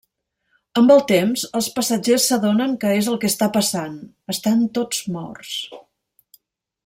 Amb el temps, els passatgers s’adonen que és el que està passant: estan tots morts.